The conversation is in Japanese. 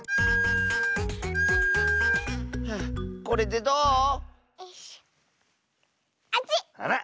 これでどう？